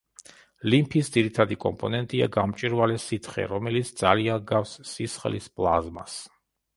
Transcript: ლიმფის ძირითადი კომპონენტია გამჭვირვალე სითხე, რომელიც ძალიან ჰგავს სისხლის პლაზმას.